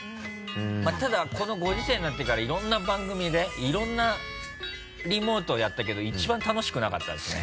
まぁただこのご時世になってからいろんな番組でいろんなリモートをやったけど一番楽しくなかったですね。